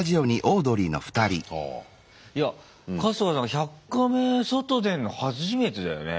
いや春日さん「１００カメ」外出んの初めてだよね。